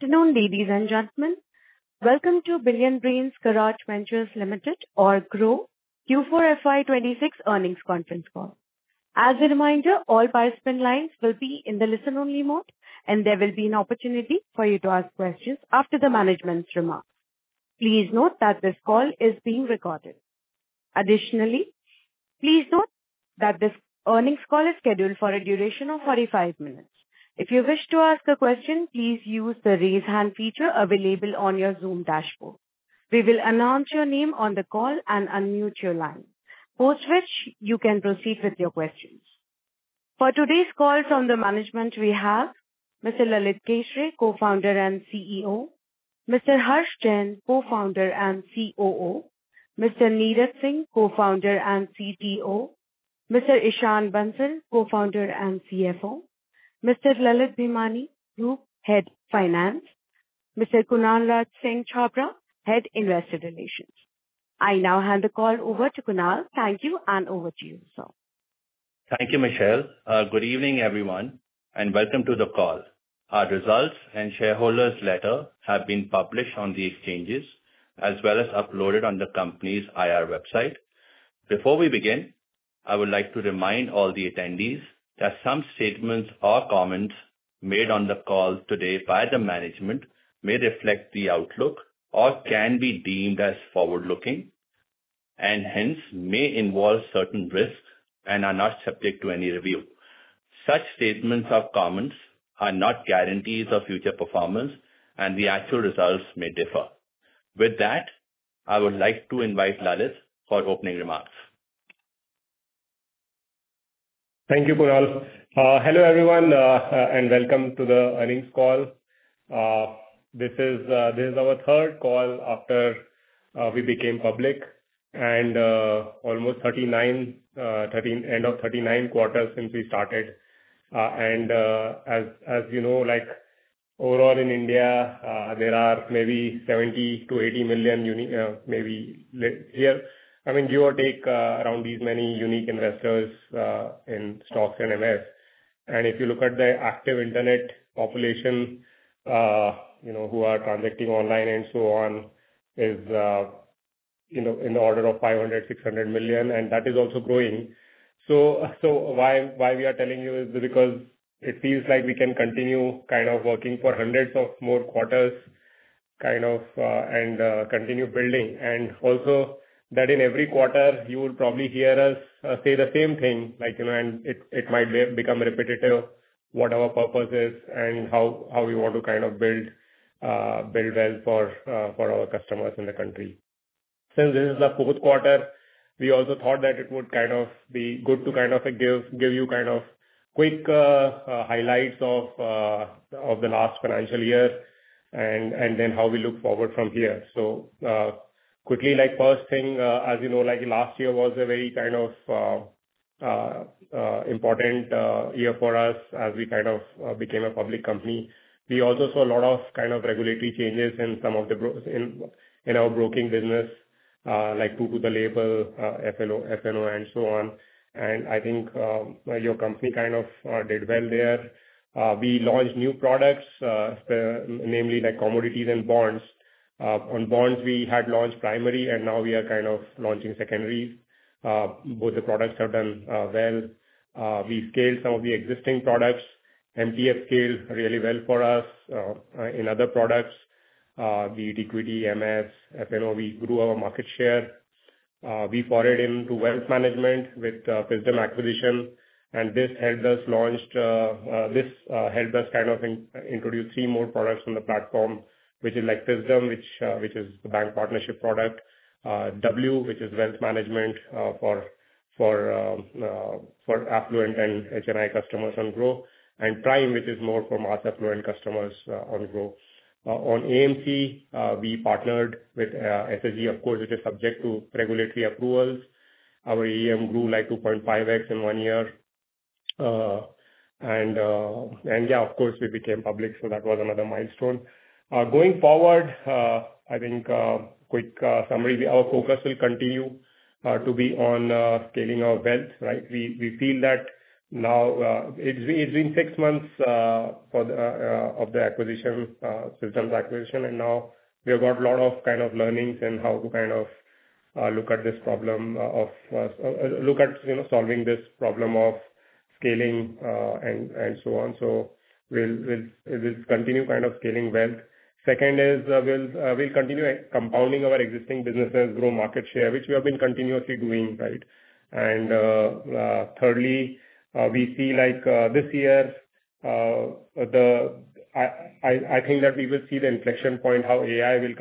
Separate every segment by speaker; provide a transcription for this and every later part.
Speaker 1: Good afternoon, ladies and gentlemen. Welcome to Billionbrains Garage Ventures Limited, or Groww, Q4 FY 2026 earnings conference call. As a reminder, all participant lines will be in the listen-only mode, and there will be an opportunity for you to ask questions after the management's remarks. Please note that this call is being recorded. Additionally, please note that this earnings call is scheduled for a duration of 45 minutes. If you wish to ask a question, please use the Raise Hand feature available on your Zoom dashboard. We will announce your name on the call and unmute your line, post which you can proceed with your questions. For today's call, from the management, we have Mr. Lalit Keshre, Co-founder and CEO, Mr. Harsh Jain, Co-founder and COO, Mr. Neeraj Singh, Co-founder and CTO, Mr. Ishan Bansal, Co-founder and CFO, Mr. Lalit Bhimani, Group Head, Finance, Mr. Kunalraj Singh Chhabra, Head, Investor Relations. I now hand the call over to Kunal. Thank you, and over to you, sir.
Speaker 2: Thank you, Michelle. Good evening, everyone, and welcome to the call. Our results and shareholders' letter have been published on the exchanges as well as uploaded on the company's IR website. Before we begin, I would like to remind all the attendees that some statements or comments made on the call today by the management may reflect the outlook or can be deemed as forward-looking, and hence may involve certain risks and are not subject to any review. Such statements or comments are not guarantees of future performance, and the actual results may differ. With that, I would like to invite Lalit for opening remarks.
Speaker 3: Thank you, Kunal. Hello, everyone, and welcome to the earnings call. This is our third call after we became public and end of 39 quarters since we started. As you know, overall in India, there are maybe 70 million-80 million, maybe give or take, around these many unique investors in stocks and MF. If you look at the active internet population who are transacting online and so on is in the order of 500 million-600 million, and that is also growing. Why we are telling you is because it feels like we can continue kind of working for hundreds of more quarters and continue building. Also that in every quarter you will probably hear us say the same thing and it might become repetitive what our purpose is and how we want to build well for our customers in the country. Since this is the fourth quarter, we also thought that it would be good to give you quick highlights of the last financial year and then how we look forward from here. Quickly, first thing, as you know, last year was a very important year for us as we became a public company. We also saw a lot of regulatory changes in our broking business, like True to Label, FNO and so on. I think our company did well there. We launched new products, namely commodities and bonds. On bonds, we had launched primary and now we are launching secondary. Both the products have done well. We've scaled some of the existing products. MTF scaled really well for us. In other products, be it equity, MF, FNO, we grew our market share. We forayed into wealth management with the Fisdom acquisition, and this helped us introduce three more products on the platform, which is Fisdom, which is the bank partnership product, W, which is wealth management for affluent and HNI customers on Groww, and Prime, which is more for mass affluent customers on Groww. On AMC, we partnered with SSG, of course, which is subject to regulatory approvals. Our AUM grew like 2.5x in one year. Yeah, of course, we became public, so that was another milestone. Going forward, I think, quick summary, our focus will continue to be on scaling our wealth. We feel that now it's been six months of the Fisdom acquisition, and now we have got a lot of kind of learnings in how to look at solving this problem of scaling and so on. We'll continue scaling wealth. Second is we'll continue compounding our existing businesses, grow market share, which we have been continuously doing. Thirdly, I think that we will see the inflection point how AI will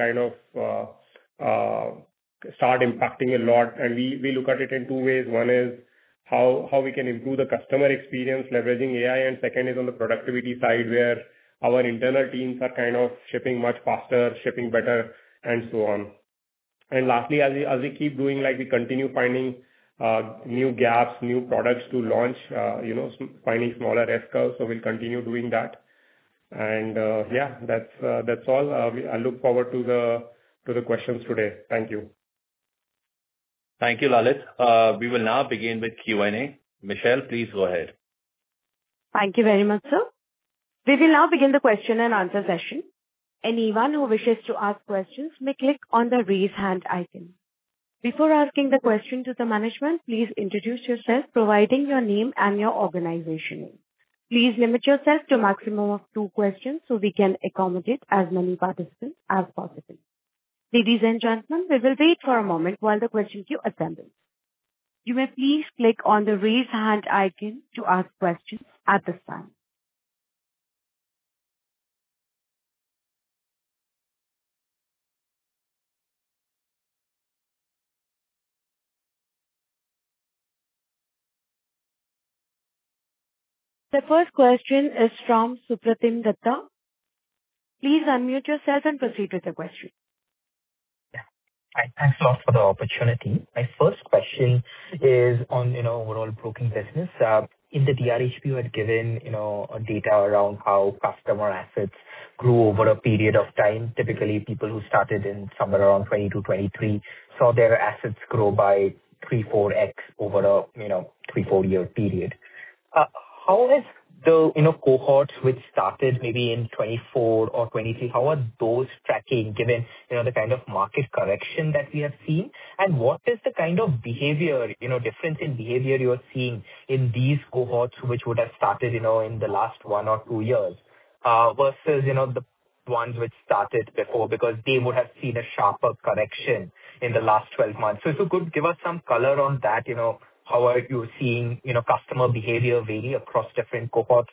Speaker 3: start impacting a lot. We look at it in two ways. One is how we can improve the customer experience leveraging AI, and second is on the productivity side, where our internal teams are shipping much faster, shipping better, and so on. Lastly, as we keep doing, we continue finding new gaps, new products to launch, finding smaller S-curves. We'll continue doing that. Yeah, that's all. I look forward to the questions today. Thank you.
Speaker 2: Thank you, Lalit. We will now begin with Q&A. Michelle, please go ahead.
Speaker 1: Thank you very much, sir. We will now begin the question and answer session. Anyone who wishes to ask questions may click on the Raise Hand icon. Before asking the question to the management, please introduce yourself, providing your name and your organization name. Please limit yourself to a maximum of two questions so we can accommodate as many participants as possible. Ladies and gentlemen, we will wait for a moment while the questions queue up, attendees. You may please click on the Raise Hand icon to ask questions at this time. The first question is from Supratim Dutta. Please unmute yourself and proceed with the question.
Speaker 4: Thanks a lot for the opportunity. My first question is on overall broking business. In the DRHP, you had given data around how customer assets grew over a period of time. Typically, people who started somewhere around 2022, 2023 saw their assets grow by 3x-4x over a 3-4-year period. Cohorts which started maybe in 2024 or 2023, how are those tracking given the kind of market correction that we have seen? What is the difference in behavior you are seeing in these cohorts which would have started in the last one or two years versus the ones which started before? Because they would have seen a sharper correction in the last 12 months. If you could give us some color on that, how are you seeing customer behavior vary across different cohorts,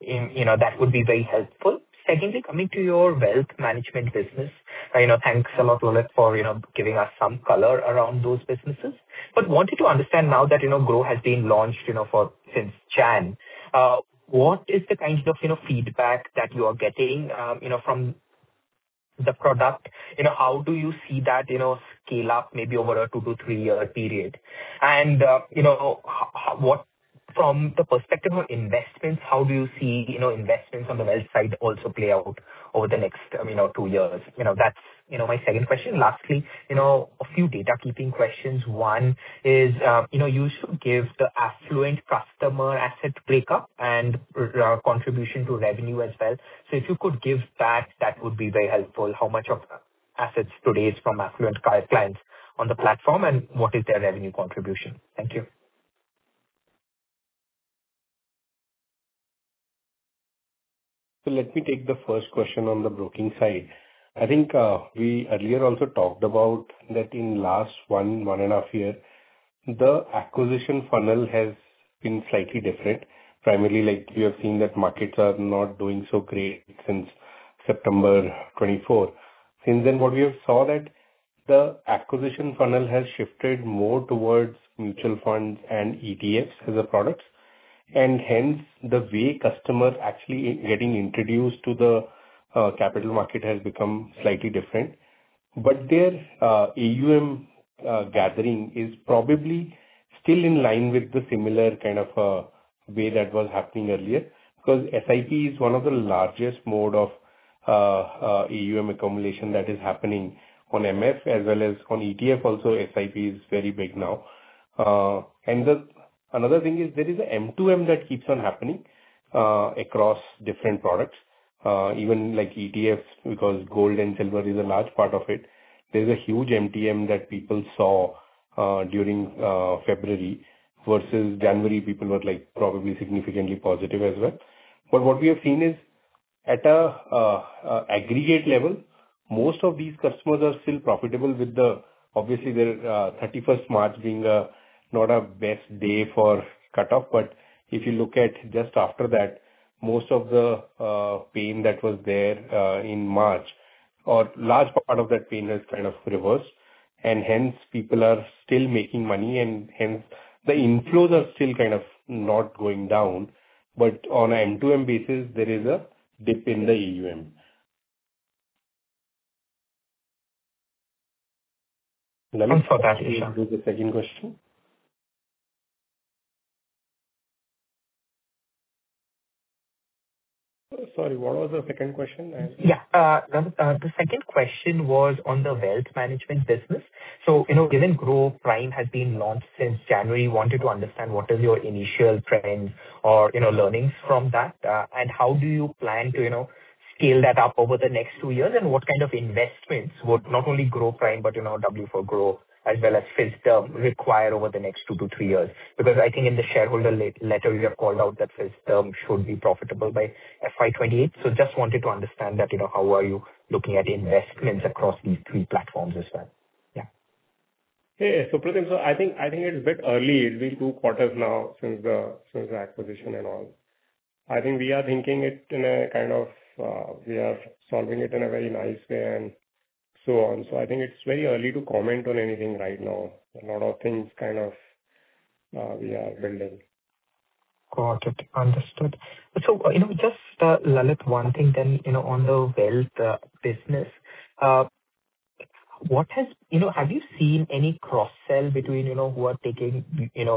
Speaker 4: that would be very helpful. Secondly, coming to your wealth management business. Thanks a lot, Lalit, for giving us some color around those businesses. Wanted to understand now that Groww has been launched since January. What is the kind of feedback that you are getting from the product? How do you see that scale up maybe over a 2-3-year period? From the perspective of investments, how do you see investments on the wealth side also play out over the next 2 years? That's my second question. Lastly, a few data keeping questions. One is, you should give the affluent customer asset breakup and contribution to revenue as well. So if you could give that would be very helpful. How much of assets today is from affluent clients on the platform, and what is their revenue contribution? Thank you.
Speaker 5: Let me take the first question on the broking side. I think we earlier also talked about that in last one and a half years, the acquisition funnel has been slightly different. Primarily like we have seen that markets are not doing so great since September 2024. Since then, what we have seen that the acquisition funnel has shifted more towards mutual funds and ETFs as the products, and hence the way customers actually getting introduced to the capital market has become slightly different. Their AUM gathering is probably still in line with the similar kind of way that was happening earlier, because SIP is one of the largest mode of AUM accumulation that is happening on MF as well as on ETF also, SIP is very big now. Another thing is there is M2M that keeps on happening across different products. Even like ETFs, because gold and silver is a large part of it. There is a huge MTM that people saw during February versus January, people were probably significantly positive as well. What we have seen is at aggregate level, most of these customers are still profitable with the, obviously, their 31st March being not a best day for cutoff. If you look at just after that, most of the pain that was there in March or large part of that pain has kind of reversed, and hence people are still making money and hence the inflows are still kind of not going down. On a M2M basis, there is a dip in the AUM.
Speaker 4: Thank you for that. [What about] the second question?
Speaker 3: Sorry, what was the second question?
Speaker 4: Yeah. The second question was on the wealth management business. Given Groww Prime has been launched since January, wanted to understand what is your initial trend or learnings from that, and how do you plan to scale that up over the next two years? What kind of investments would not only Groww Prime but W for Groww as well as Fisdom require over the next two to three years? Because I think in the shareholder letter, you have called out that Fisdom should be profitable by FY 2028. Just wanted to understand that how are you looking at investments across these three platforms as well? Yeah.
Speaker 3: Yeah. Supratim, I think it's a bit early. It's been two quarters now since the acquisition and all. I think we are thinking it in a kind of, we are solving it in a very nice way and so on. I think it's very early to comment on anything right now. A lot of things kind of we are building.
Speaker 4: Got it. Understood. Just, Lalit, one thing then on the wealth business. Have you seen any cross-sell between the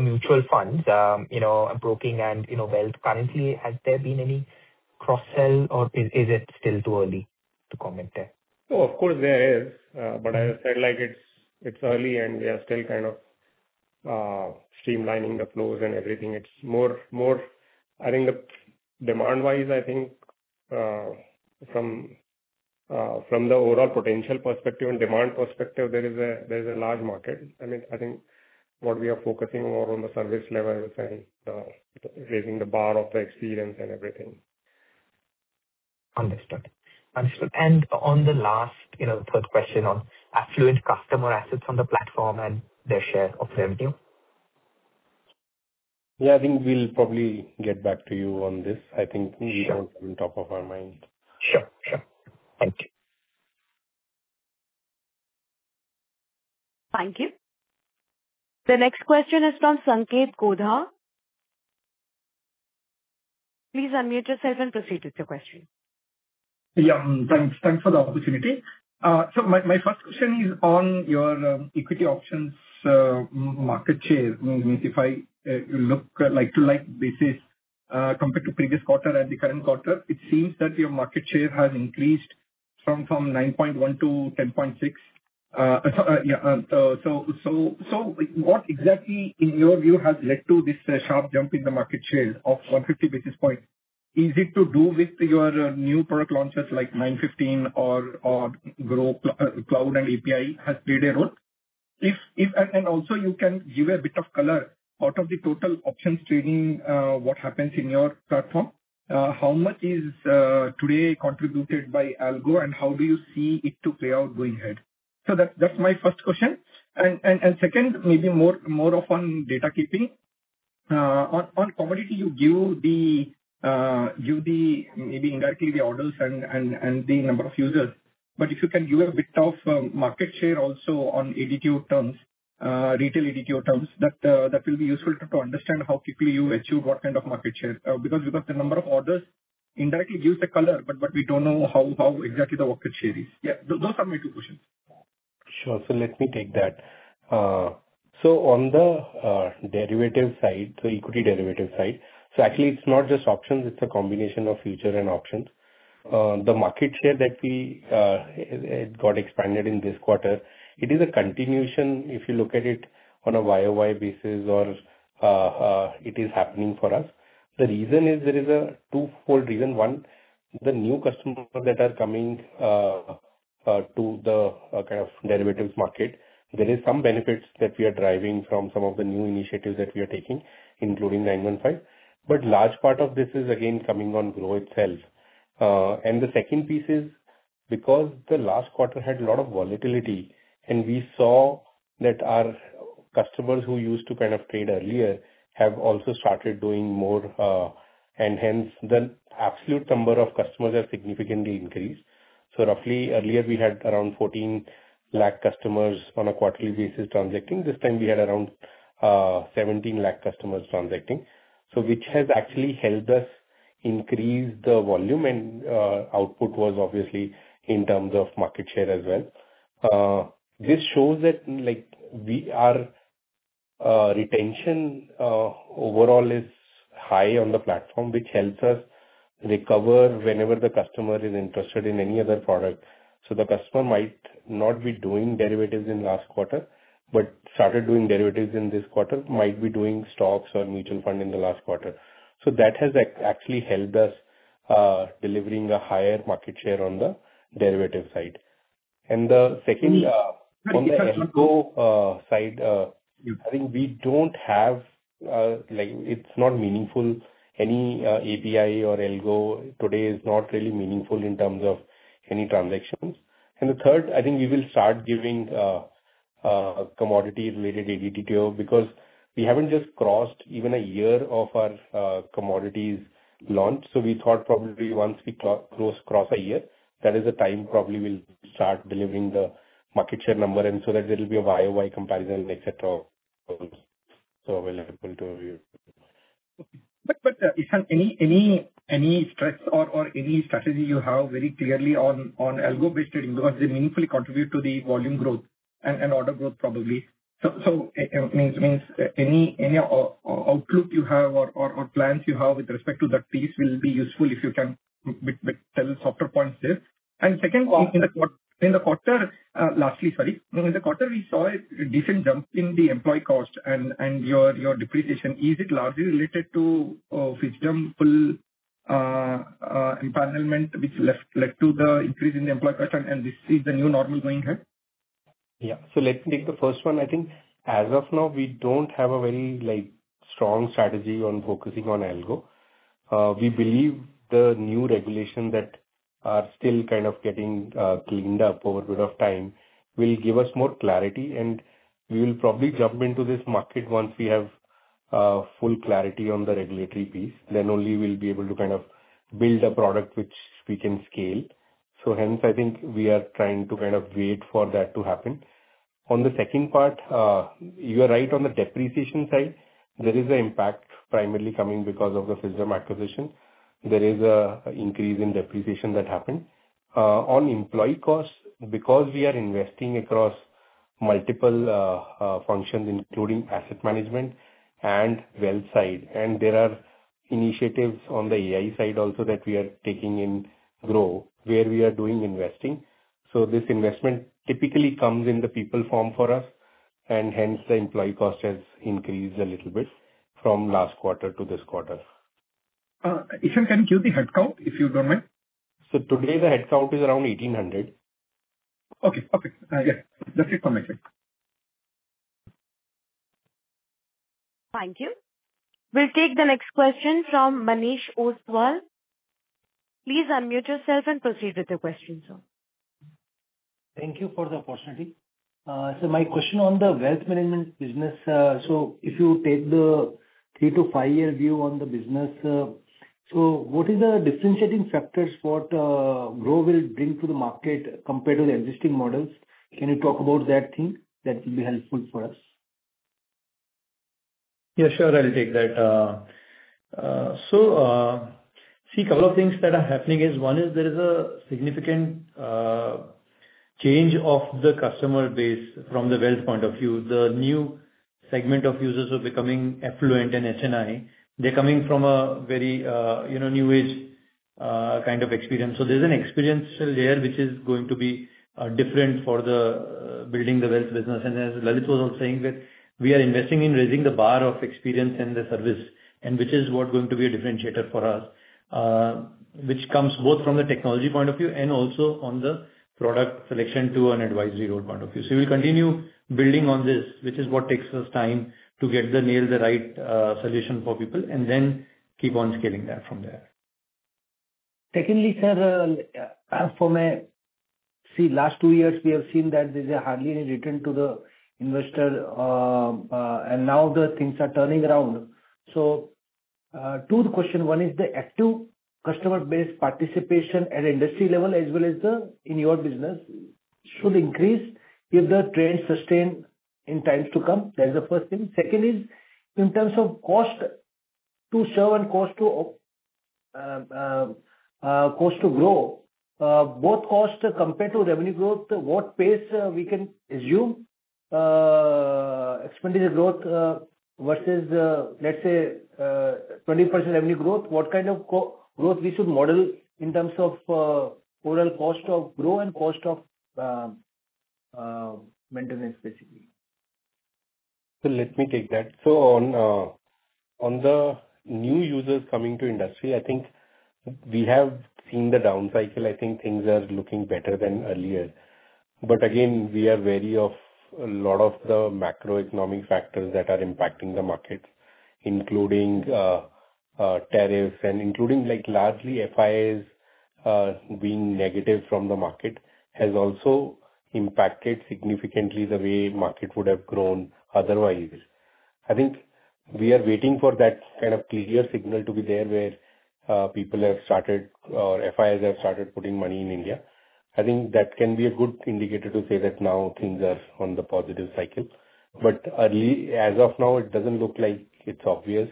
Speaker 4: mutual funds, broking and wealth currently, or is it still too early to comment there?
Speaker 3: No, of course, there is. As I said, it's early and we are still kind of streamlining the flows and everything. Demand-wise, I think, from the overall potential perspective and demand perspective, there is a large market. I think what we are focusing more on the service levels and raising the bar of the experience and everything.
Speaker 4: Understood. On the last, third question on affluent customer assets on the platform and their share of revenue.
Speaker 5: Yeah, I think we'll probably get back to you on this. I think it's not on top of our mind.
Speaker 4: Sure. Thank you.
Speaker 1: Thank you. The next question is from Sanket Godha. Please unmute yourself and proceed with your question.
Speaker 6: Yeah. Thanks for the opportunity. My first question is on your equity options market share. If I look at like-for-like basis, compared to previous quarter and the current quarter, it seems that your market share has increased from 9.1% to 10.6%. What exactly in your view has led to this sharp jump in the market share of 150 basis points? Is it to do with your new product launches like 915 or Groww Cloud and API has played a role? And also, you can give a bit of color, out of the total options trading, what happens in your platform? How much is today contributed by Algo, and how do you see it to play out going ahead? That's my first question. Second, maybe more of on data keeping. On commodity, you give maybe indirectly the orders and the number of users. If you can give a bit of market share also on ADTO terms, retail ADTO terms, that will be useful to understand how quickly you achieve what kind of market share. Because the number of orders indirectly gives the color, but we don't know how exactly the market share is. Yeah. Those are my two questions.
Speaker 5: Sure. Let me take that. On the derivative side, equity derivative side, actually it's not just options, it's a combination of futures and options. The market share that got expanded in this quarter, it is a continuation, if you look at it on a YOY basis or it is happening for us. The reason is, there is a twofold reason. One, the new customers that are coming to the kind of derivatives market, there is some benefits that we are deriving from some of the new initiatives that we are taking, including 915. Large part of this is again, coming on Groww itself. The second piece is because the last quarter had a lot of volatility, and we saw that our customers who used to kind of trade earlier have also started doing more, and hence the absolute number of customers has significantly increased. Roughly earlier, we had around 14 lakh customers on a quarterly basis transacting. This time we had around 17 lakh customers transacting. Which has actually helped us increase the volume and output was obviously in terms of market share as well. This shows that our retention overall is high on the platform, which helps us recover whenever the customer is interested in any other product. The customer might not be doing derivatives in last quarter, but started doing derivatives in this quarter, might be doing stocks or mutual fund in the last quarter. That has actually helped us delivering a higher market share on the derivative side. On the Algo side, I think we don't have. It's not meaningful. Any API or Algo today is not really meaningful in terms of any transactions. The third, I think we will start giving commodities-related ADTO because we haven't just crossed even a year of our commodities launch. We thought probably once we cross a year, that is the time probably we'll start delivering the market share number and so that there'll be a YOY comparison, et cetera. We'll be able to review.
Speaker 6: Okay. Ishan, any stress or any strategy you have very clearly on Algo-based trading, does it meaningfully contribute to the volume growth and order growth, probably? Means any outlook you have or plans you have with respect to that piece will be useful if you can tell us a couple points there. Second, in the quarter, lastly, sorry. In the quarter, we saw a decent jump in the employee cost and your depreciation. Is it largely related to full employment which led to the increase in the employee cost and this is the new normal going ahead?
Speaker 5: Yeah. Let me take the first one. I think as of now, we don't have a very strong strategy on focusing on Algo. We believe the new regulations that are still kind of getting cleaned up over a bit of time will give us more clarity, and we will probably jump into this market once we have full clarity on the regulatory piece. Then only we'll be able to build a product which we can scale. Hence, I think we are trying to wait for that to happen. On the second part, you are right on the depreciation side. There is an impact primarily coming because of the Fisdom acquisition. There is an increase in depreciation that happened. On employee costs, because we are investing across multiple functions, including asset management and wealth side, and there are initiatives on the AI side also that we are taking in Groww, where we are doing investing. This investment typically comes in the people form for us, and hence the employee cost has increased a little bit from last quarter to this quarter.
Speaker 6: If you can give the headcount, if you don't mind.
Speaker 5: Today the headcount is around 1,800.
Speaker 6: Okay. I get it. That's it from my side.
Speaker 1: Thank you. We'll take the next question from Manish Ostwal. Please unmute yourself and proceed with your question, sir.
Speaker 7: Thank you for the opportunity. My question on the wealth management business. What is the differentiating factors, what Groww will bring to the market compared to the existing models? Can you talk about that thing? That will be helpful for us.
Speaker 5: Yeah, sure. I'll take that. See, couple of things that are happening is, one is there is a significant change of the customer base from the wealth point of view. The new segment of users who are becoming affluent and HNI, they're coming from a very new age kind of experience. There's an experience layer which is going to be different for the building the wealth business. As Lalit was also saying that we are investing in raising the bar of experience in the service and which is what is going to be a differentiator for us, which comes both from the technology point of view and also on the product selection to an advisory role point of view. We'll continue building on this, which is what takes us time to get to nail the right solution for people and then keep on scaling that from there.
Speaker 7: Secondly, sir. See, last two years we have seen that there's hardly any return to the investor, and now the things are turning around. Two questions. One is the active customer base participation at industry level as well as in your business should increase if the trend sustain in times to come. That is the first thing. Second is in terms of cost to serve and cost to grow, both cost compared to revenue growth, what pace we can assume expenditure growth versus, let's say, 20% revenue growth? What kind of growth we should model in terms of total cost of Groww and cost of maintenance, basically?
Speaker 5: Let me take that. On the new users coming to industry, I think we have seen the down cycle. I think things are looking better than earlier. Again, we are wary of a lot of the macroeconomic factors that are impacting the market, including tariffs and including largely FIIs being negative from the market, has also impacted significantly the way market would have grown otherwise. I think we are waiting for that kind of clear signal to be there, where people have started or FIIs have started putting money in India. I think that can be a good indicator to say that now things are on the positive cycle. As of now, it doesn't look like it's obvious.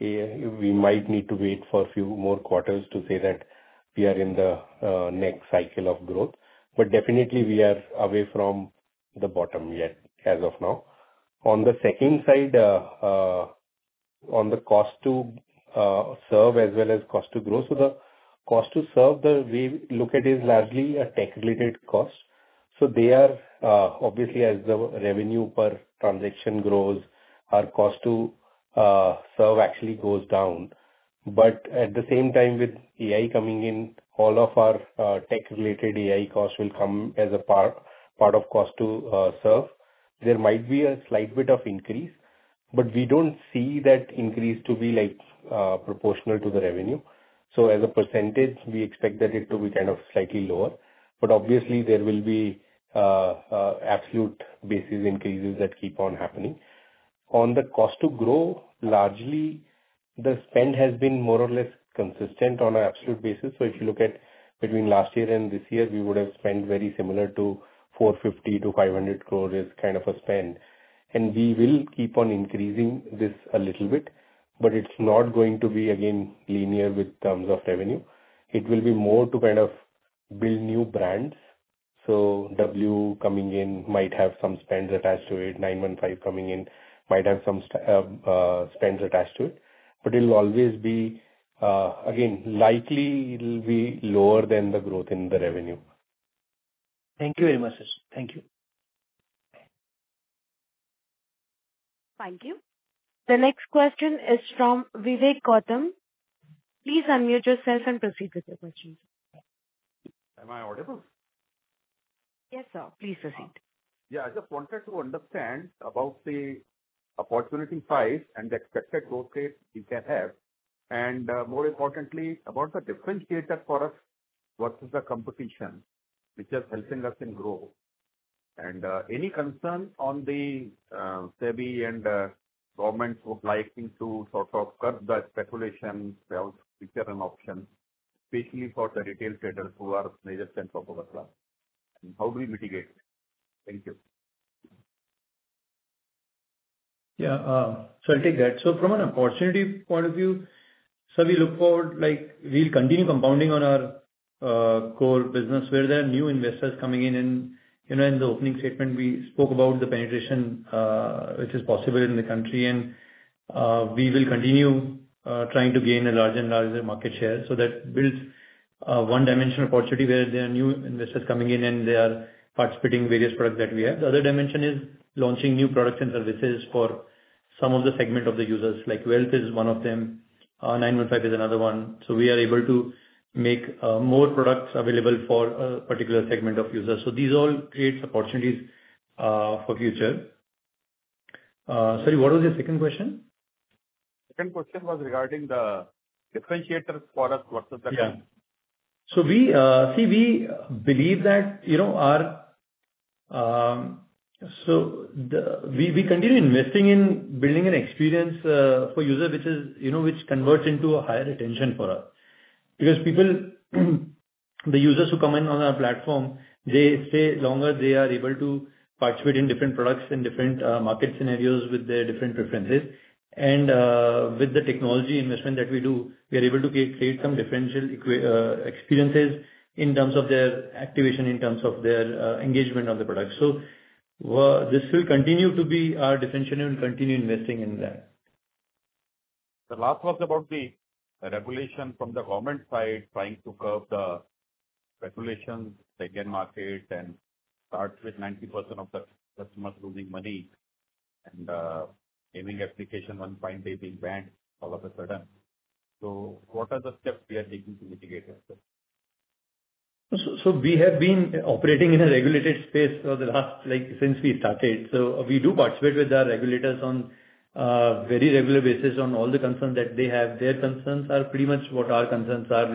Speaker 5: We might need to wait for a few more quarters to say that we are in the next cycle of growth. Definitely we are away from the bottom yet, as of now. On the second side, on the cost to serve as well as cost to grow. The cost to serve, we look at is largely a tech related cost. They are obviously as the revenue per transaction grows, our cost to serve actually goes down. At the same time, with AI coming in, all of our tech related AI costs will come as a part of cost to serve. There might be a slight bit of increase, but we don't see that increase to be proportional to the revenue. As a percentage, we expect that it will be kind of slightly lower. Obviously there will be absolute basis increases that keep on happening. On the cost to grow, largely, the spend has been more or less consistent on an absolute basis. If you look at between last year and this year, we would have spent very similar to 450 crore-500 crore is kind of a spend, and we will keep on increasing this a little bit, but it's not going to be again linear in terms of revenue. It will be more to kind of build new brands. W coming in might have some spends attached to it. 915 coming in might have some spends attached to it, but it'll always be, again, likely it'll be lower than the growth in the revenue.
Speaker 7: Thank you very much, sir. Thank you.
Speaker 1: Thank you. The next question is from Vivek Gautam. Please unmute yourself and proceed with your question.
Speaker 8: Am I audible?
Speaker 1: Yes, sir. Please proceed.
Speaker 8: Yeah. I just wanted to understand about the opportunity size and the expected growth rate you can have, and more importantly, about the differentiator for us versus the competition which is helping us in Groww. Any concern on the SEBI and government who would like to sort of curb the speculation in options, especially for the retail traders who are major segment of our class. How do we mitigate? Thank you.
Speaker 3: Yeah. I'll take that. From an opportunity point of view, so we look forward, we'll continue compounding on our core business where there are new investors coming in. In the opening statement, we spoke about the penetration which is possible in the country and we will continue trying to gain a larger and larger market share. That builds one dimension of opportunity where there are new investors coming in, and they are participating various products that we have. The other dimension is launching new products and services for some of the segment of the users, like wealth is one of them, 915 is another one. We are able to make more products available for a particular segment of users. These all create opportunities for future. Sorry, what was your second question?
Speaker 8: Second question was regarding the differentiators for us versus the.
Speaker 3: Yeah. We believe that we continue investing in building an experience for user, which converts into a higher retention for us. Because the users who come in on our platform, they stay longer. They are able to participate in different products, in different market scenarios with their different preferences. With the technology investment that we do, we are able to create some differential experiences in terms of their activation, in terms of their engagement on the product. This will continue to be our differentiator and we'll continue investing in that.
Speaker 8: The last was about the regulation from the government side, trying to curb the speculations, secondary market, and stats with 90% of the customers losing money and gaming application one fine day being banned all of a sudden. What are the steps we are taking to mitigate that?
Speaker 3: We have been operating in a regulated space for the last, like since we started. We do participate with our regulators on a very regular basis on all the concerns that they have. Their concerns are pretty much what our concerns are.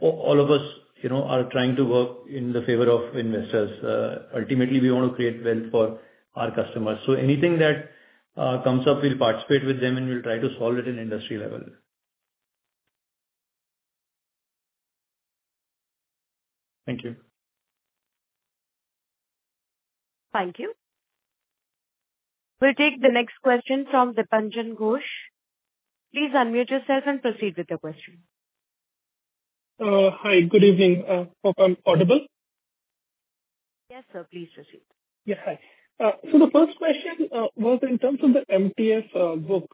Speaker 3: All of us are trying to work in the favor of investors. Ultimately, we want to create wealth for our customers. Anything that comes up, we'll participate with them and we'll try to solve it in industry level.
Speaker 8: Thank you.
Speaker 1: Thank you. We'll take the next question from Dipanjan Ghosh. Please unmute yourself and proceed with the question.
Speaker 9: Hi. Good evening. Hope I'm audible.
Speaker 1: Yes, sir. Please proceed.
Speaker 9: Yeah. Hi. The first question was in terms of the MTF book.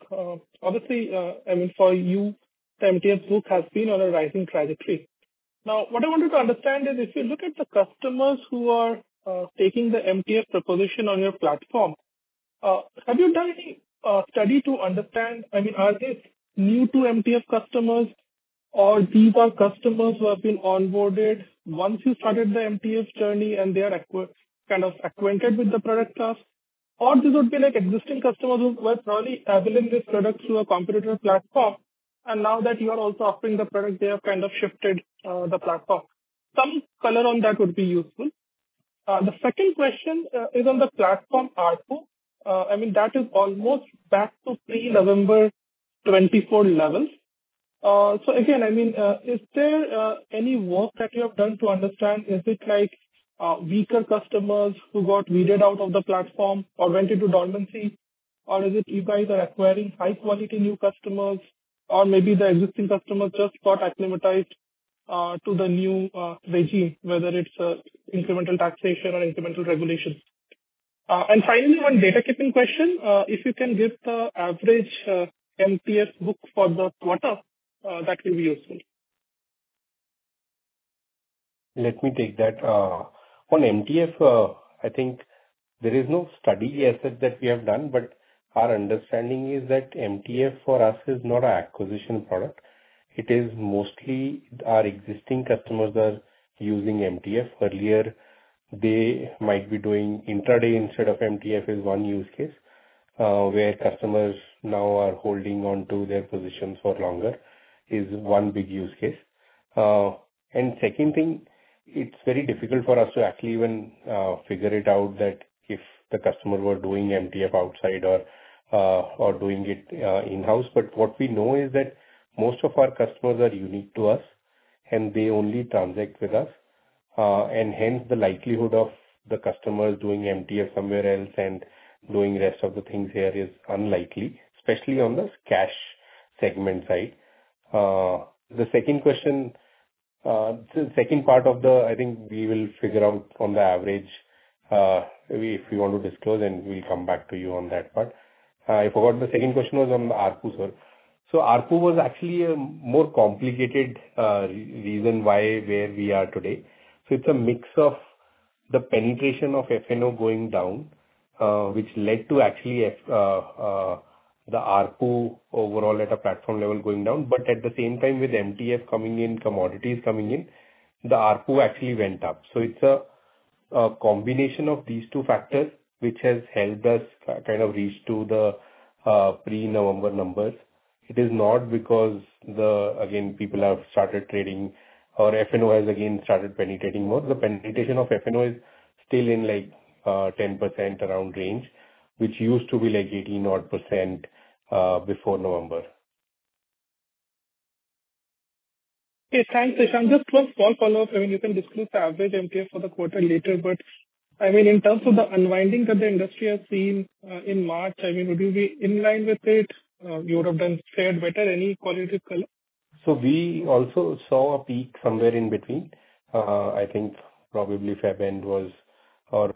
Speaker 9: Obviously, I mean, for you, the MTF book has been on a rising trajectory. Now, what I wanted to understand is, if you look at the customers who are taking the MTF proposition on your platform, have you done any study to understand, I mean, are they new to MTF customers or these are customers who have been onboarded once you started the MTF journey and they are kind of acquainted with the product class? Or this would be like existing customers who were probably availing this product through a competitor's platform, and now that you are also offering the product, they have kind of shifted the platform. Some color on that would be useful. The second question is on the platform ARPU. I mean, that is almost back to pre-November 2024 levels. Again, I mean, is there any work that you have done to understand, is it like weaker customers who got weeded out of the platform or went into dormancy? Or is it you guys are acquiring high-quality new customers or maybe the existing customers just got acclimatized to the new regime, whether it's incremental taxation or incremental regulation? Finally, one housekeeping question. If you can give the average MTF book for the quarter, that will be useful.
Speaker 5: Let me take that. On MTF, I think there is no study as such that we have done, but our understanding is that MTF for us is not an acquisition product. It is mostly our existing customers are using MTF. Earlier they might be doing intraday instead of MTF is one use case, where customers now are holding onto their positions for longer is one big use case. Second thing, it's very difficult for us to actually even figure it out that if the customer were doing MTF outside or doing it in-house. What we know is that most of our customers are unique to us, and they only transact with us. Hence the likelihood of the customers doing MTF somewhere else and doing rest of the things here is unlikely, especially on the cash segment side. The second question, the second part of the... I think we will figure out on the average. If we want to disclose, then we'll come back to you on that part. I forgot, the second question was on the ARPU, sir. ARPU was actually a more complicated reason why we're where we are today. It's a mix of the penetration of FNO going down, which led to actually the ARPU overall at a platform level going down. At the same time, with MTF coming in, commodities coming in, the ARPU actually went up. It's a combination of these two factors which has helped us kind of reach the pre-November numbers. It is not because, again, people have started trading or FNO has again started penetrating more. The penetration of FNO is still in, like 10% around range, which used to be like 18 odd% before November.
Speaker 9: Okay, thanks. Ishan, just a small follow-up. You can disclose the average MTF for the quarter later, but in terms of the unwinding that the industry has seen in March, would you be in line with it? You would have fared better. Any qualitative color?
Speaker 5: We also saw a peak somewhere in between. I think probably February end was, or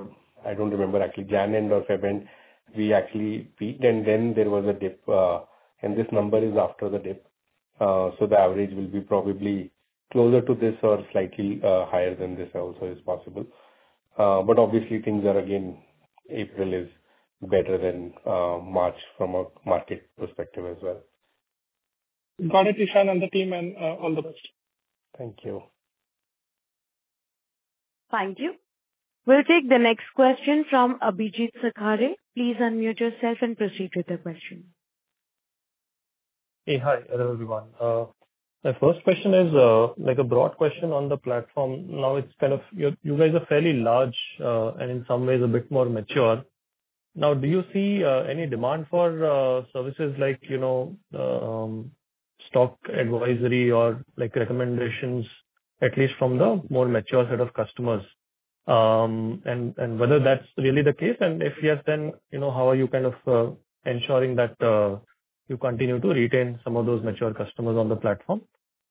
Speaker 5: I don't remember actually, January end or February end, we actually peaked, and then there was a dip. This number is after the dip. The average will be probably closer to this or slightly higher than this also is possible. Obviously things are again, April is better than March from a market perspective as well.
Speaker 9: Got it, Ishan and the team, and all the best.
Speaker 5: Thank you.
Speaker 1: Thank you. We'll take the next question from Abhijeet Sakhare. Please unmute yourself and proceed with your question.
Speaker 10: Hello, everyone. My first question is a broad question on the platform. Now, you guys are fairly large, and in some ways a bit more mature. Now, do you see any demand for services like stock advisory or recommendations, at least from the more mature set of customers? And whether that's really the case, and if yes, then how are you ensuring that you continue to retain some of those mature customers on the platform?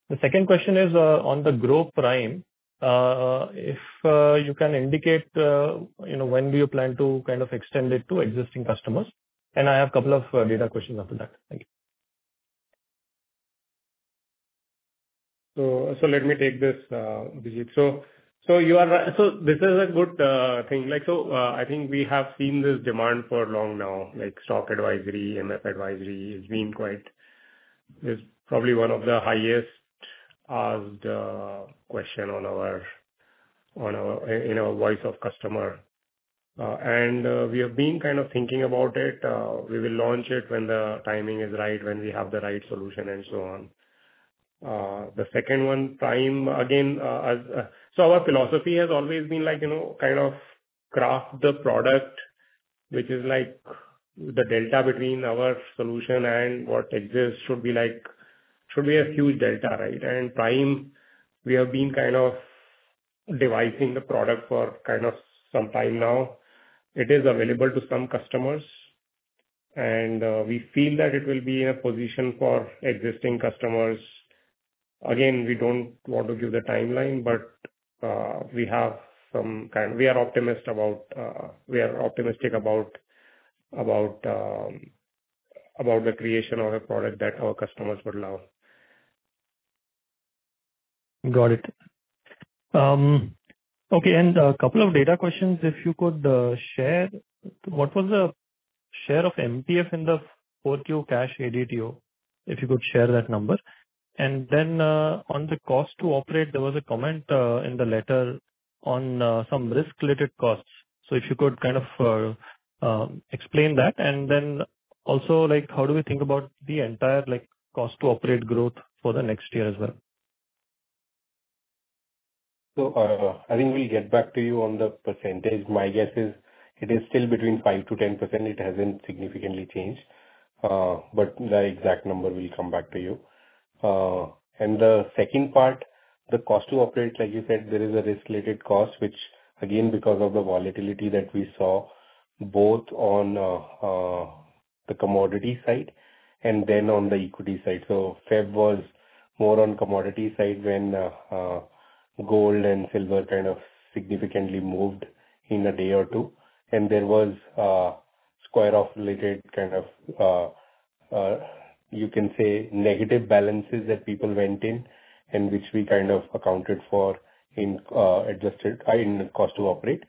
Speaker 10: The second question is on the Groww Prime. If you can indicate when do you plan to extend it to existing customers? And I have a couple of data questions after that. Thank you.
Speaker 3: Let me take this, Abhijeet. This is a good thing. I think we have seen this demand for long now, like stock advisory, MF advisory. It's probably one of the highest asked question in our voice of customer. We have been thinking about it. We will launch it when the timing is right, when we have the right solution, and so on. The second one, Prime. Again, our philosophy has always been craft the product, which is the delta between our solution and what exists should be a huge delta, right? Prime, we have been devising the product for some time now. It is available to some customers, and we feel that it will be in a position for existing customers. Again, we don't want to give the timeline, but we are optimistic about the creation of a product that our customers would love.
Speaker 10: Got it. Okay, a couple of data questions, if you could share. What was the share of MTF in the fourth quarter cash ADTO? If you could share that number. On the cost-to-operate, there was a comment in the letter on some risk-related costs. If you could explain that. How do we think about the entire cost-to-operate growth for the next year as well?
Speaker 5: I think we'll get back to you on the percentage. My guess is it is still between 5%-10%. It hasn't significantly changed. The exact number, we'll come back to you. The second part, the cost to operate, like you said, there is a risk-related cost, which again, because of the volatility that we saw, both on the commodity side and then on the equity side. February was more on commodity side when gold and silver significantly moved in a day or two. There was square-off related, you can say, negative balances that people went in, and which we accounted for in cost to operate.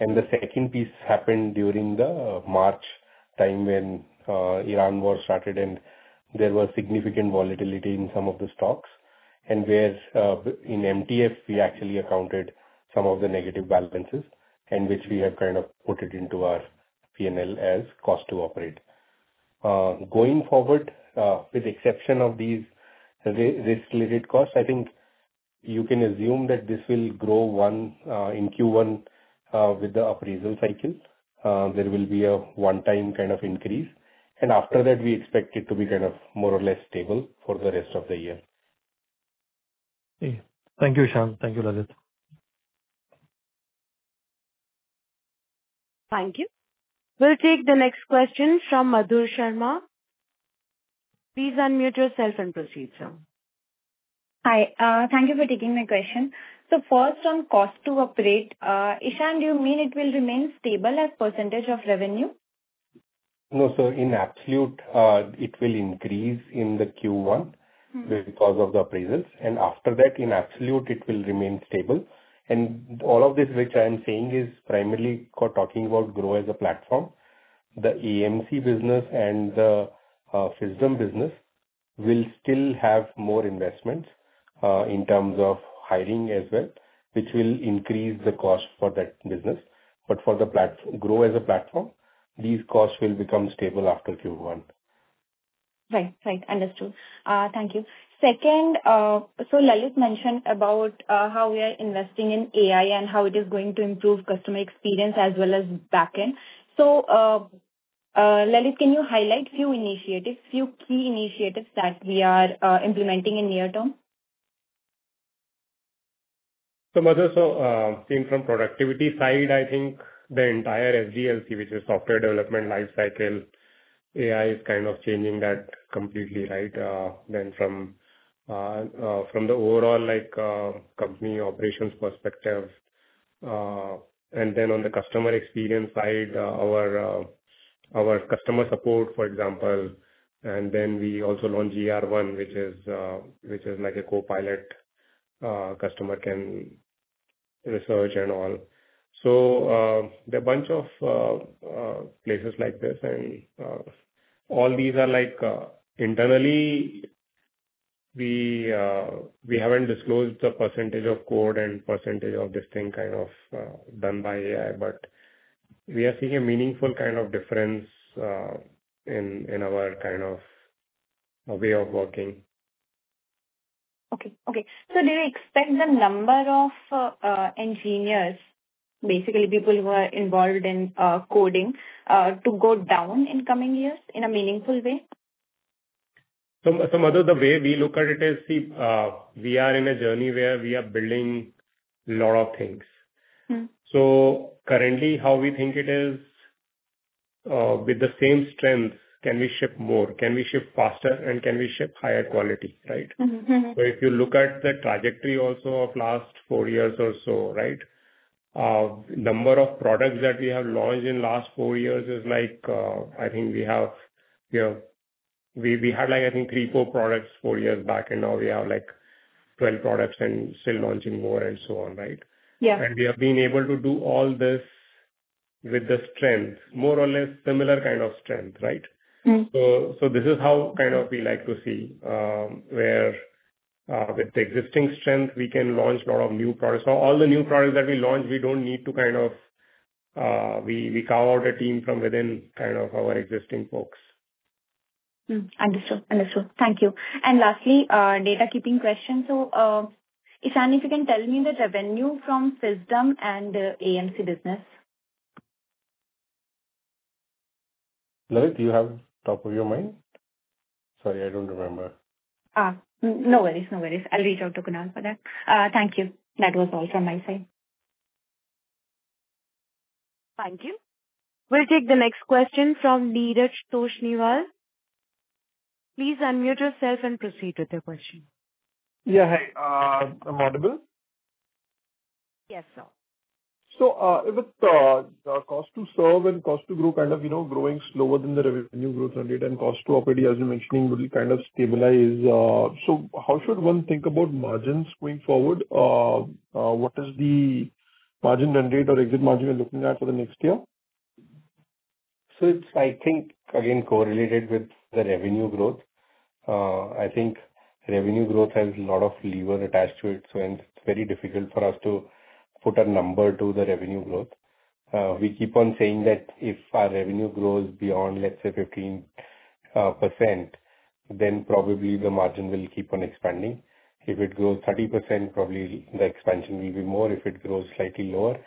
Speaker 5: The second piece happened during the March time when Iran war started and there was significant volatility in some of the stocks. Whereas in MTF, we actually accounted for some of the negative balances, and which we have put it into our P&L as cost-to-operate. Going forward, with the exception of these risk-related costs, I think you can assume that this will grow in Q1 with the appraisal cycle. There will be a one-time increase, and after that, we expect it to be more or less stable for the rest of the year.
Speaker 10: Okay. Thank you, Ishan. Thank you, Lalit.
Speaker 1: Thank you. We'll take the next question from Madhur Sharma. Please unmute yourself and proceed, ma'am.
Speaker 11: Hi. Thank you for taking my question. First, on cost to operate. Ishan, do you mean it will remain stable as percentage of revenue?
Speaker 5: No. In absolute, it will increase in the Q1 because of the appraisals. After that, in absolute, it will remain stable. All of this, which I am saying, is primarily talking about Groww as a platform. The AMC business and the Fisdom business will still have more investments in terms of hiring as well, which will increase the cost for that business. For Groww as a platform, these costs will become stable after Q1.
Speaker 11: Right. Understood. Thank you. Second, Lalit mentioned about how we are investing in AI and how it is going to improve customer experience as well as back end. Lalit, can you highlight few key initiatives that we are implementing in near term?
Speaker 3: Madhur, so seeing from productivity side, I think the entire SDLC, which is software development lifecycle, AI is kind of changing that completely, right? From the overall company operations perspective, and then on the customer experience side, our customer support, for example, and then we also launched GR1, which is like a co-pilot, customer can research and all. There are a bunch of places like this and all these are like internally we haven't disclosed the percentage of code and percentage of this thing kind of done by AI, but we are seeing a meaningful kind of difference in our kind of way of working.
Speaker 11: Okay. Do you expect the number of engineers, basically people who are involved in coding, to go down in coming years in a meaningful way?
Speaker 3: Madhur, the way we look at it is, see, we are in a journey where we are building lot of things.
Speaker 11: Mm-hmm.
Speaker 3: Currently, how we think it is, with the same strength, can we ship more, can we ship faster, and can we ship higher quality, right?
Speaker 11: Mm-hmm.
Speaker 3: If you look at the trajectory also of last 4 years or so, right? Number of products that we have launched in last 4 years is like, I think we had 3, 4 products 4 years back, and now we have 12 products and still launching more and so on, right?
Speaker 11: Yeah.
Speaker 3: We have been able to do all this with the strength, more or less similar kind of strength, right?
Speaker 11: Mm-hmm.
Speaker 3: This is how kind of we like to see, where with the existing strength, we can launch lot of new products. All the new products that we launch, we carve out a team from within our existing folks.
Speaker 11: Understood. Thank you. Lastly, [datakeeping] question. Ishan, if you can tell me the revenue from Fisdom and AMC business.
Speaker 5: Lalit, do you have top of your mind? Sorry, I don't remember.
Speaker 11: No worries. I'll reach out to Kunal for that. Thank you. That was all from my side.
Speaker 1: Thank you. We'll take the next question from Dheeraj Toshniwal. Please unmute yourself and proceed with your question.
Speaker 12: Yeah, hi. Am I audible?
Speaker 1: Yes, sir.
Speaker 12: With the cost to serve and cost to grow kind of growing slower than the revenue growth rate and cost to operate, as you're mentioning, will be kind of stabilized. How should one think about margins going forward? What is the margin run rate or exit margin you're looking at for the next year?
Speaker 5: It's, I think, again, correlated with the revenue growth. I think revenue growth has a lot of levers attached to it, so it's very difficult for us to put a number to the revenue growth. We keep on saying that if our revenue grows beyond, let's say, 15%, then probably the margin will keep on expanding. If it grows 30%, probably the expansion will be more. If it grows slightly lower,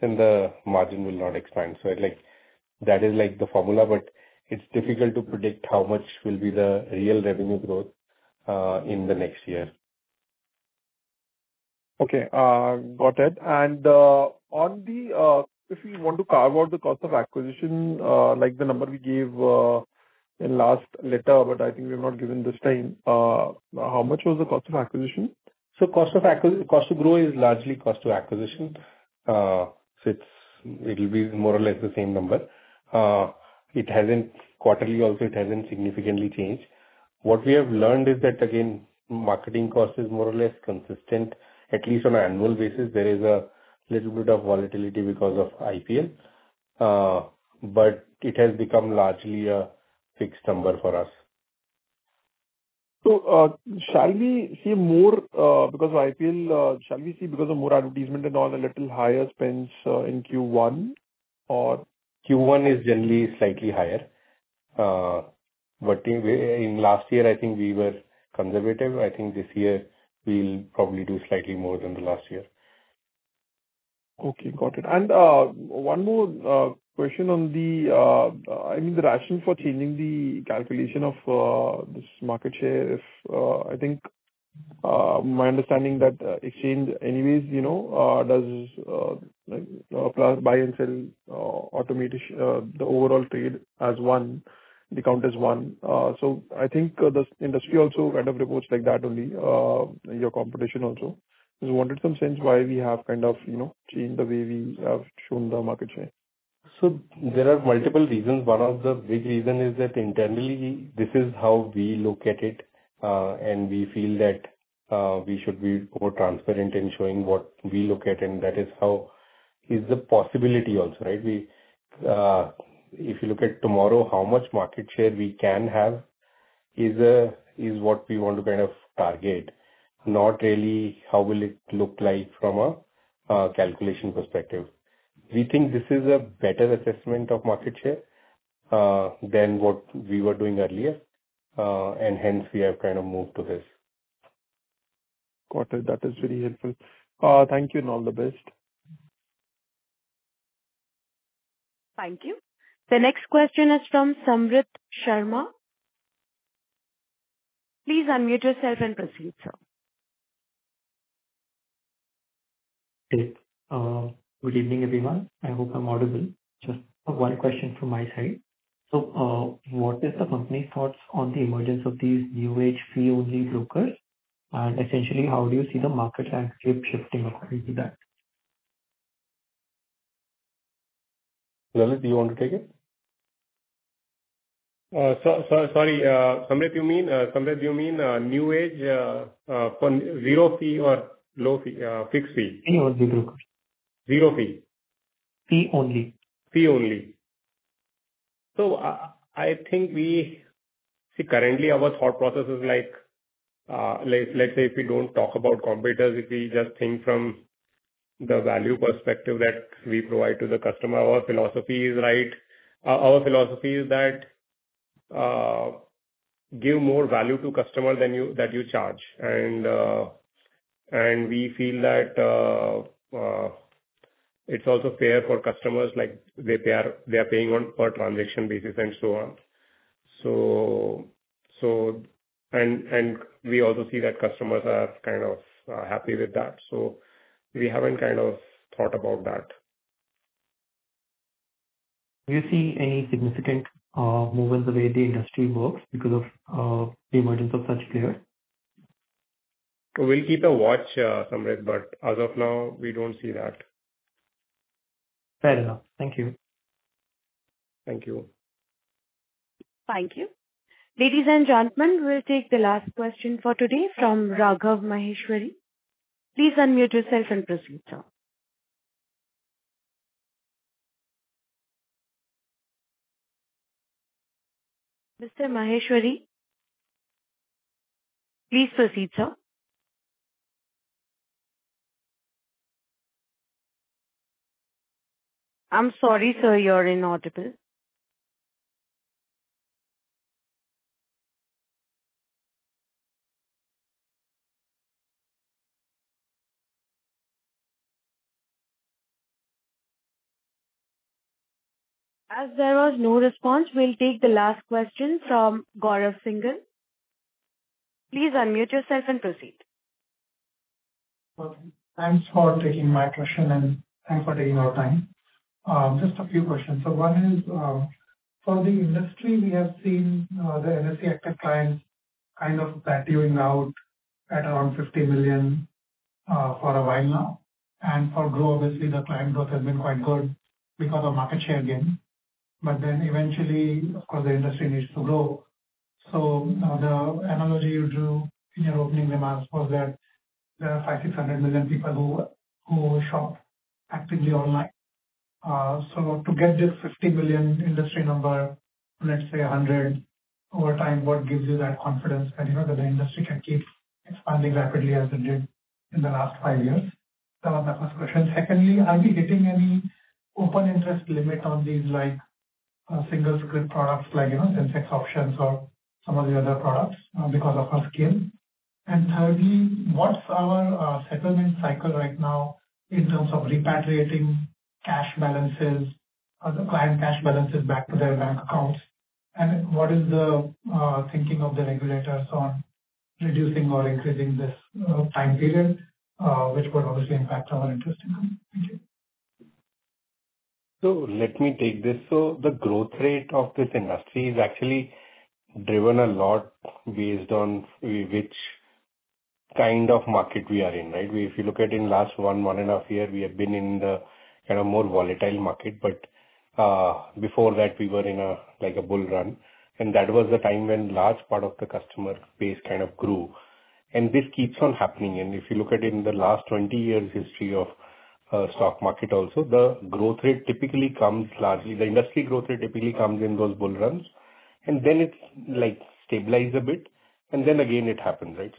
Speaker 5: then the margin will not expand. That is like the formula, but it's difficult to predict how much will be the real revenue growth in the next year.
Speaker 12: Okay. Got it. If we want to carve out the cost of acquisition, like the number we gave in last letter, but I think we have not given this time, how much was the cost of acquisition?
Speaker 5: Cost to Groww is largely cost to acquisition. It'll be more or less the same number. Quarterly also, it hasn't significantly changed. What we have learned is that, again, marketing cost is more or less consistent, at least on an annual basis. There is a little bit of volatility because of IPL, but it has become largely a fixed number for us.
Speaker 12: Shall we see more because of IPL? Shall we see because of more advertisement and all the little higher spends in Q1 or-
Speaker 5: Q1 is generally slightly higher. In last year, I think we were conservative. I think this year we'll probably do slightly more than the last year.
Speaker 12: Okay, got it. One more question on the, I mean, the rationale for changing the calculation of this market share is, I think my understanding that exchange anyways does buy and sell the overall trade as one, the count as one. I think this industry also kind of reports like that only, your competition also. Just wanted some sense why we have kind of seen the way we have shown the market share?
Speaker 5: There are multiple reasons. One of the big reason is that internally, this is how we look at it, and we feel that we should be more transparent in showing what we look at, and that is the possibility also, right? If you look at tomorrow, how much market share we can have is what we want to kind of target, not really how will it look like from a calculation perspective. We think this is a better assessment of market share, than what we were doing earlier, and hence we have kind of moved to this.
Speaker 12: Got it. That is very helpful. Thank you and all the best.
Speaker 1: Thank you. The next question is from Sampreet Sharma. Please unmute yourself and proceed, sir.
Speaker 13: Good evening, everyone. I hope I'm audible. Just one question from my side. What is the company's thoughts on the emergence of these new age fee-only brokers? Essentially how do you see the market landscape shifting according to that?
Speaker 5: Lalit, do you want to take it?
Speaker 3: Sorry. Sampreet, you mean new age zero fee or low fee, fixed fee?
Speaker 13: Zero fee broker.
Speaker 3: Zero fee.
Speaker 13: Fee only.
Speaker 3: Fee only. I think we see, currently our thought process is, let's say if we don't talk about competitors, if we just think from the value perspective that we provide to the customer, our philosophy is that give more value to customer than you charge. We feel that it's also fair for customers, they are paying on per transaction basis and so on. We also see that customers are kind of happy with that, so we haven't thought about that.
Speaker 13: Do you see any significant movement the way the industry works because of the emergence of such players?
Speaker 3: We'll keep a watch, Sampreet, but as of now, we don't see that.
Speaker 13: Fair enough. Thank you.
Speaker 3: Thank you.
Speaker 1: Thank you. Ladies and gentlemen, we'll take the last question for today from Raghav Maheshwari. Please unmute yourself and proceed, sir. Mr. Maheshwari, please proceed, sir. I'm sorry, sir, you're inaudible. As there was no response, we'll take the last question from Gaurav Singhal. Please unmute yourself and proceed.
Speaker 14: Okay. Thanks for taking my question, and thanks for taking our time. Just a few questions. One is, for the industry, we have seen the NSE active clients kind of plateauing out at around 50 million for a while now. For Groww, obviously, the client growth has been quite good because of market share gain. Eventually, of course, the industry needs to grow. The analogy you drew in your opening remarks was that there are 500 million-600 million people who shop actively online. To get this 50 million industry number, let's say 100 over time, what gives you that confidence that the industry can keep expanding rapidly as it did in the last five years? That was my first question. Secondly, are we hitting any open interest limit on these single scrip products like Sensex options or some of the other products because of our scale? Thirdly, what's our settlement cycle right now in terms of repatriating cash balances or the client cash balances back to their bank accounts? What is the thinking of the regulators on reducing or increasing this time period? Which would obviously impact our interest income. Thank you.
Speaker 5: Let me take this. The growth rate of this industry is actually driven a lot based on which kind of market we are in, right? If you look at in the last 1.5 years, we have been in the more volatile market, but before that, we were in a bull run, and that was the time when large part of the customer base kind of grew. This keeps on happening. If you look at in the last 20 years history of stock market also, the industry growth rate typically comes in those bull runs, and then it stabilize a bit, and then again it happens, right?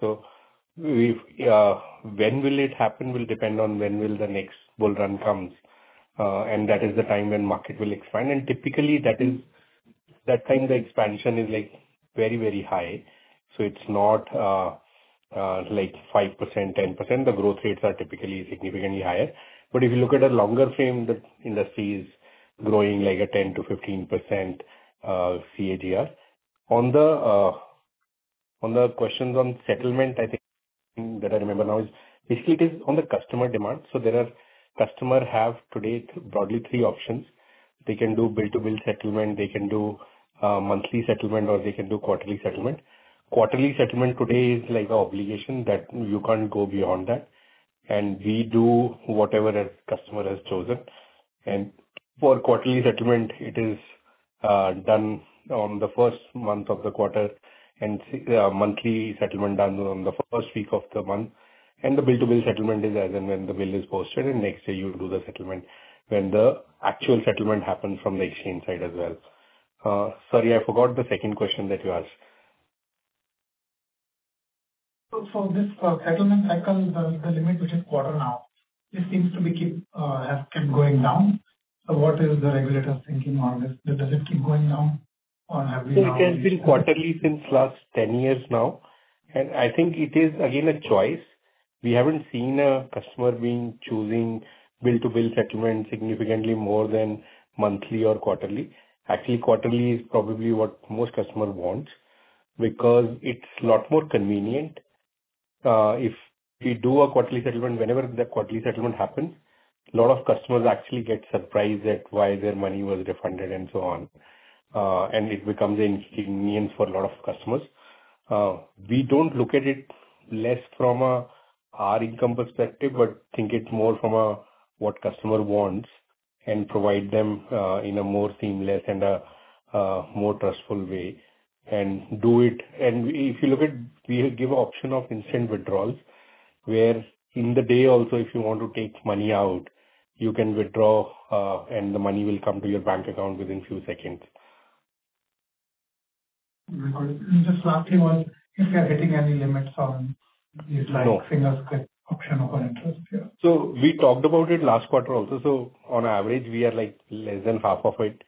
Speaker 5: When will it happen will depend on when will the next bull run comes. That is the time when market will expand. Typically that time the expansion is very, very high, so it's not 5%-10%. The growth rates are typically significantly higher. If you look at a longer frame, the industry is growing like a 10%-15% CAGR. On the questions on settlement, I think that I remember now is basically it is on the customer demand. Customers have today broadly three options. They can do bill-to-bill settlement, they can do monthly settlement, or they can do quarterly settlement. Quarterly settlement today is like an obligation that you can't go beyond that, and we do whatever the customer has chosen. For quarterly settlement, it is done on the first month of the quarter, and monthly settlement done on the first week of the month. The bill-to-bill settlement is as and when the bill is posted and next day you do the settlement when the actual settlement happen from the exchange side as well. Sorry, I forgot the second question that you asked.
Speaker 14: For this settlement cycle, the limit, which is quarter now. It seems to have kept going down. What is the regulator's thinking on this? Does it keep going down or have we now-
Speaker 5: It has been quarterly since last 10 years now, and I think it is again a choice. We haven't seen a customer choosing bill-to-bill settlement significantly more than monthly or quarterly. Actually, quarterly is probably what most customers want because it's a lot more convenient. If we do a quarterly settlement, whenever the quarterly settlement happens, a lot of customers actually get surprised at why their money was refunded and so on, and it becomes inconvenient for a lot of customers. We don't look at it less from our income perspective, but think it more from what customer wants, and provide them in a more seamless and a more trustful way and do it. If you look at, we give option of instant withdrawals, where in the day also if you want to take money out, you can withdraw, and the money will come to your bank account within few seconds.
Speaker 14: Just lastly, if you are hitting any limits on these, like single scrip option or interest here.
Speaker 5: We talked about it last quarter also. On average we are less than half of it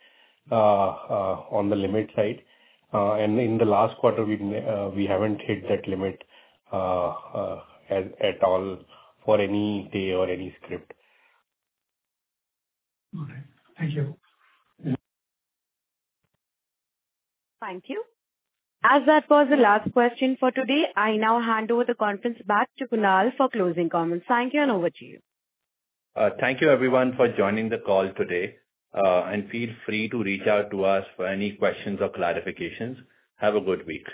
Speaker 5: on the limit side. In the last quarter we haven't hit that limit at all for any day or any scrip.
Speaker 14: All right. Thank you.
Speaker 5: Mm-hmm.
Speaker 1: Thank you. As that was the last question for today, I now hand over the conference back to Kunal for closing comments. Thank you and over to you.
Speaker 2: Thank you everyone for joining the call today. Feel free to reach out to us for any questions or clarifications. Have a good week.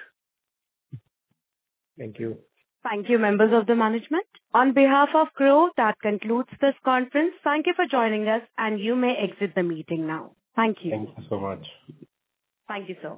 Speaker 3: Thank you.
Speaker 1: Thank you, members of the management. On behalf of Groww, that concludes this conference. Thank you for joining us and you may exit the meeting now. Thank you.
Speaker 5: Thank you so much.
Speaker 1: Thank you, sir.